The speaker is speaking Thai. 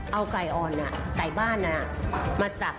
เอาไก่อ่อนไก่บ้านมาสับ